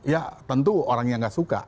ya tentu orang yang gak suka